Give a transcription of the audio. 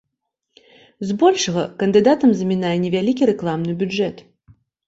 Збольшага, кандыдатам замінае невялікі рэкламны бюджэт.